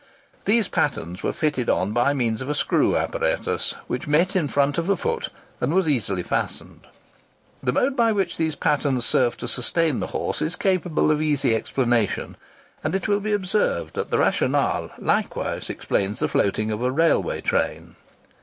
These pattens were fitted on by means of a screw apparatus, which met in front of the foot and was easily fastened. The mode by which these pattens served to sustain the horse is capable of easy explanation, and it will be observed that the rationale likewise explains the floating of a railway train.